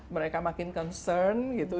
mereka makin concern gitu